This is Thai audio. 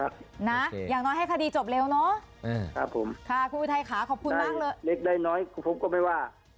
อย่างน้อยให้คดีจบเร็วเนอะครับผมค่ะคุณอุทัยค่ะขอบคุณมากเลยเล็กได้น้อยผมก็ไม่ว่า